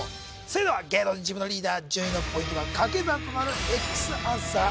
それでは芸能人チームのリーダー順位のポイントがかけ算となるＸアンサー